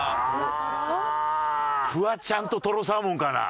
フワちゃんととろサーモンかな？